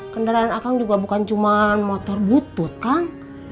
kendaraan akang juga bukan cuma motor butut kang